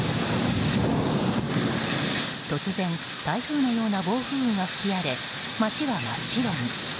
突然台風のような暴風が吹き荒れ町は真っ白に。